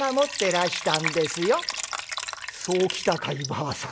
「そうきたかいばあさん。